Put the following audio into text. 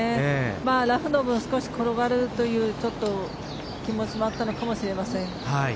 ラフのぶん少し転がるという気持ちもあったのかもしれません。